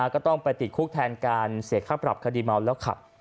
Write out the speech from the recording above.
ก็ต้องไปติดคุกแทนการเสียค่าปรับคดีเมาแล้วขับ